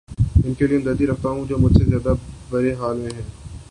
ان کے لیے ہمدردی رکھتا ہوں جو مچھ سے زیادہ برے حال میں ہیں